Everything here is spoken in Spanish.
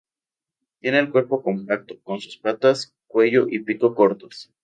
Tiene el cuerpo compacto, con sus patas, cuello y pico cortos.